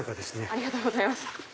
ありがとうございます。